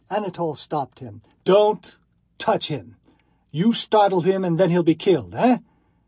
Anatole stopped him. "Don't touch him! You'll startle him and then he'll be killed. Eh?...